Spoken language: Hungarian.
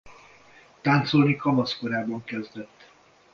Táncolni kamaszkorában kezdett.